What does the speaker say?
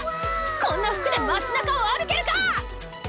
こんな服で町中を歩けるか！